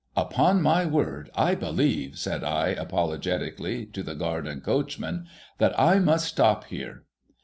* Upon my word, I believe,' said I, apologetically, to the guard and coachman, ' that I must stop here.'